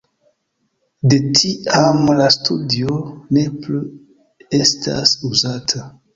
De tiam la studio ne plu estas uzata.